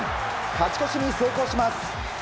勝ち越しに成功します。